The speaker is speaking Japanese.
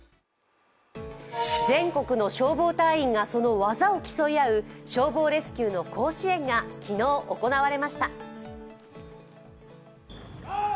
全国の消防隊員がその技を競い合う消防レスキューの甲子園が昨日、行われました。